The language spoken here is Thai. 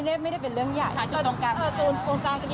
คือไม่ได้เป็นเรื่องใหญ่